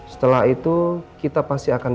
setelah itu kita pasti akan